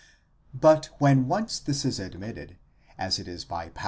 But when once this is admitted, as it is by Paulus and 8.